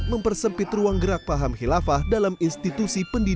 mempersempit ruang gerak paham khilafah dalam institusi pendidikan